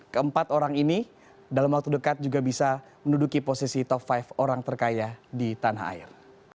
keempat orang ini dalam waktu dekat juga bisa menduduki posisi top lima orang terkaya di tanah air